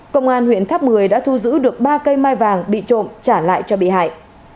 công an huyện tháp một mươi đã thu giữ được ba cây mai vàng bị trộm trả lại cho bị hại